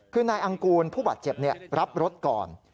คือนายอังกูลผู้บาดเจ็บรับรถก่อน